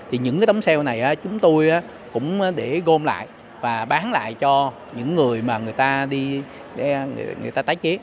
thì những cái tấm cell này chúng tôi cũng để gom lại và bán lại cho những người mà người ta tái chế